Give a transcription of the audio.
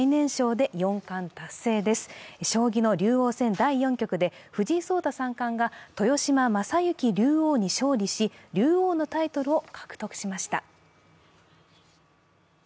第四局で藤井聡太三冠が豊島将之竜王に勝利し竜王のタイトルを獲得しました。